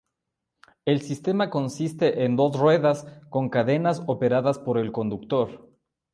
El sistema consiste en dos ruedas con cadenas operadas por el conductor.